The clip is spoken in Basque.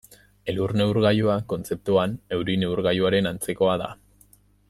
Elur-neurgailua, kontzeptuan, euri-neurgailuaren antzekoa da.